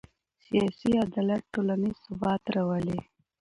سیاسي عدالت ټولنیز ثبات راولي